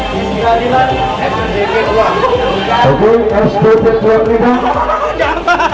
pancasila pancasila pancasila